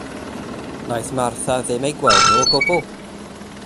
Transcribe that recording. Wnaeth Martha ddim eu gweld nhw o gwbl.